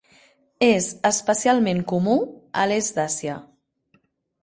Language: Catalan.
És especialment comú a l"Est d"Àsia.